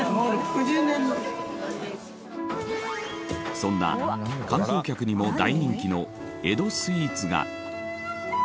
そんな観光客にも大人気の江戸スイーツが。